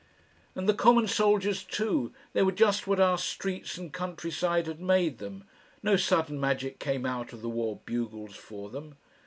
And the common soldiers, too, they were just what our streets and country side had made them, no sudden magic came out of the war bugles for them.